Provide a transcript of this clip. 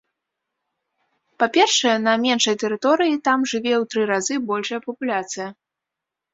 Па-першае, на меншай тэрыторыі там жыве ў тры разы большая папуляцыя.